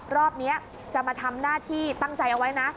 รอบนี้จะมาทำหน้าที่ตั้งใจเอาไว้นะ